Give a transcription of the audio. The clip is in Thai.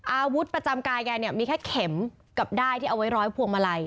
อาวุธประจำกายแกเนี่ยมีแค่เข็มกับด้ายที่เอาไว้ร้อยพวงมาลัย